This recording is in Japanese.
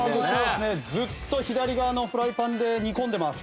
ずっと左側のフライパンで煮込んでます。